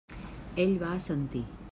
Ell va assentir.